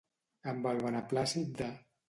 Amb el beneplàcit de.